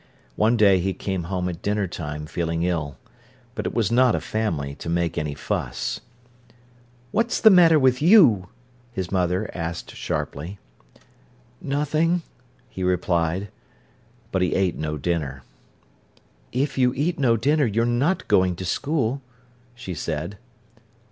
One day he came home at dinner time feeling ill. But it was not a family to make any fuss. "What's the matter with you?" his mother asked sharply. "Nothing," he replied. But he ate no dinner. "If you eat no dinner, you're not going to school," she said.